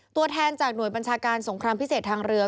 ตัวแทนจากหน่วยบัญชาการสงครามพิเศษทางเรือ